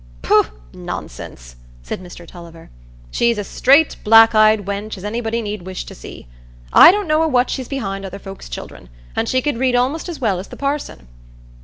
"Pooh, nonsense!" said Mr Tulliver; "she's a straight, black eyed wench as anybody need wish to see. I don't know i' what she's behind other folks's children; and she can read almost as well as the parson."